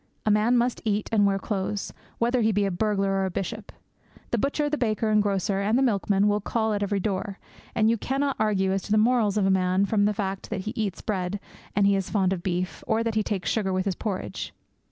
A man must eat and wear clothes, whether he be a burglar or a bishop. The butcher, the baker, the grocer, and the milkman will call at every door; and you cannot argue as to the morals of a man from the fact that he eats bread, that he is fond of beef, or that he takes sugar with his porridge.